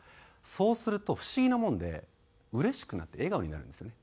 そうすると不思議なもんでうれしくなって笑顔になるんですよね。